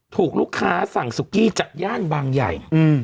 ถูกลูกค้าสั่งสุกี้จากย่านบางใหญ่